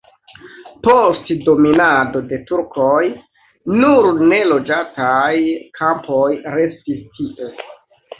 Post dominado de turkoj nur neloĝataj kampoj restis tie.